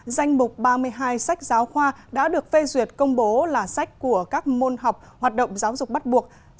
danh mục ba mươi hai sách giáo khoa đã được phê duyệt công bố là sách của các môn học hoạt động giáo dục bắt buộc